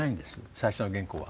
最初の原稿は。